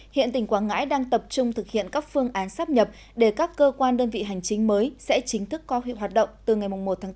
hiện tỉnh quảng ngãi đang tập trung thực hiện các phương án sắp nhập để các cơ quan đơn vị hành chính mới sẽ chính thức có huyện hoạt động từ ngày một bốn hai nghìn hai mươi